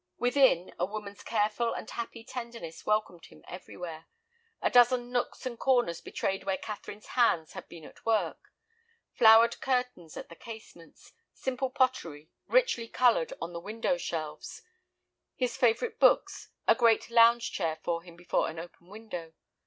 Within, a woman's careful and happy tenderness welcomed him everywhere. A dozen nooks and corners betrayed where Catherine's hands had been at work. Flowered curtains at the casements; simple pottery, richly colored, on the window shelves; his favorite books; a great lounge chair for him before an open window.